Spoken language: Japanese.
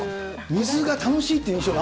水が楽しいっていう気持ちが。